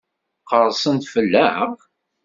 Qerrsen-d fell-aɣ?